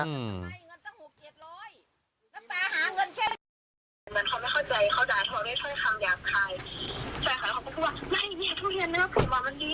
อันนี้หนูไม่ค่อยทีเรียสเท่าไหร่หรอกพี่